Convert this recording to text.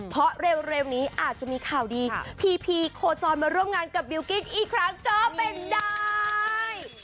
เพราะเร็วนี้อาจจะมีข่าวดีพีพีโคจรมาร่วมงานกับบิลกิ้นอีกครั้งก็เป็นได้